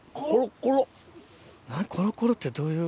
コロコロってどういう？